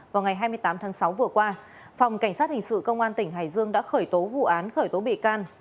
vào ngày hai mươi tám tháng sáu vừa qua phòng cảnh sát hình sự công an tỉnh hải dương đã khởi tố vụ án khởi tố bị can